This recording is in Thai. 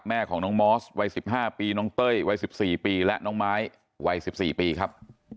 แม่ของน้องมอสวัย๑๕ปีน้องเต้ยวัย๑๔ปีและน้องไม้วัย๑๔ปีครับ